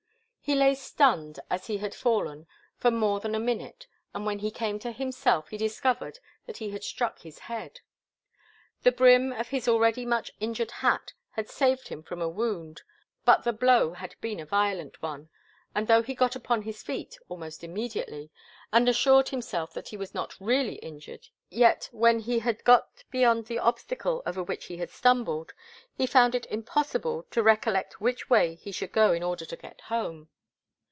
He lay stunned as he had fallen for more than a minute, and when he came to himself he discovered that he had struck his head. The brim of his already much injured hat had saved him from a wound; but the blow had been a violent one, and though he got upon his feet almost immediately and assured himself that he was not really injured, yet, when he had got beyond the obstacle over which he had stumbled, he found it impossible to recollect which way he should go in order to get home.